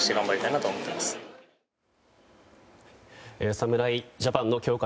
侍ジャパンの強化